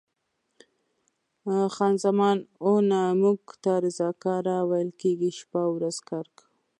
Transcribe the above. خان زمان: اوه، نه، موږ ته رضاکاره ویل کېږي، شپه او ورځ کار کوو.